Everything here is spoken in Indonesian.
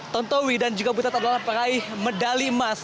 tantowi dan juga butet adalah para medali emas